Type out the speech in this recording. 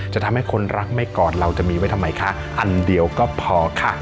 จะทำให้คนรักไม่กอดเราจะมีไว้ทำไมคะอันเดียวก็พอค่ะ